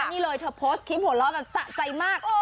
นี่เลยเธอโพสต์คลิปหัวเราะแบบสะใจมาก